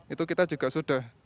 itu kita juga sudah